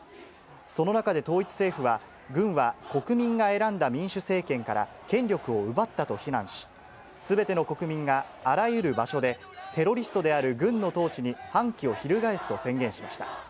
その中で統一政府は、軍は国民が選んだ民主政権から権力を奪ったと非難し、すべての国民があらゆる場所で、テロリストである軍の統治に反旗を翻すと宣言しました。